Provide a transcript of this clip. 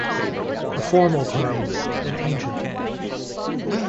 A formal term, and ancient.